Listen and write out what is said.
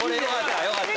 よかった！